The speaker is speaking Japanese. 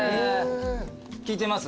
効いてます？